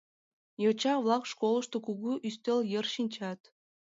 Йоча-влак школышто кугу ӱстел йыр шинчат.